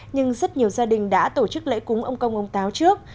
nhưng rất nhiều gia đình đã tổ chức lễ cúng ông công ông táo trước